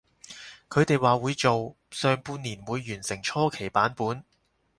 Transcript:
佢哋話會做，上半年會完成初期版本